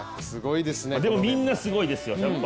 でもみんなすごいですよ、やっぱ。